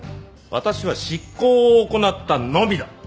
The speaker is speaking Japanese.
私は執行を行ったのみだ！